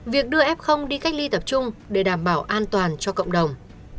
việc đưa f đi cách ly tập trung để đảm bảo an toàn cho cộng đồng